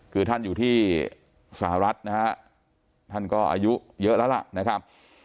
คือท่านอยู่ที่สหรัฐนะฮะท่านก็อายุเยอะแล้วล่ะนะครับ